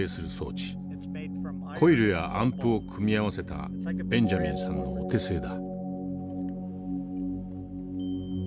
コイルやアンプを組み合わせたベンジャミンさんのお手製だ。